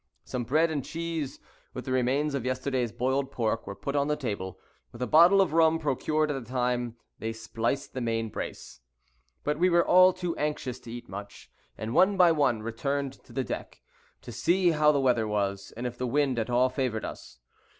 Some bread and cheese, with the remains of yesterday's boiled pork, were put on the table, with a bottle of rum, procured at the time they "spliced the main brace"; but we were all too anxious to eat much, and one by one returned on deck to see how the weather was, and if the wind at all favored us.